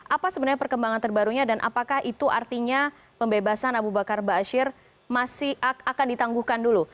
apa sebenarnya perkembangan terbarunya dan apakah itu artinya pembebasan abu bakar ⁇ baasyir ⁇ masih akan ditangguhkan dulu